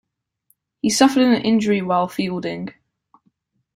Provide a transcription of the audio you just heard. He suffered an injury while fielding.